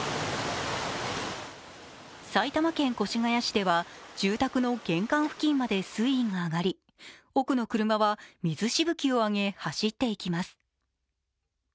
埼玉県越谷市では住宅の玄関付近まで水位が上がり奥の車は水しぶきを上げ、走っていきます。